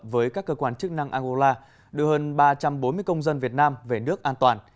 với các cơ quan chức năng angola đưa hơn ba trăm bốn mươi công dân việt nam về nước an toàn